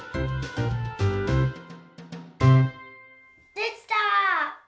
できた！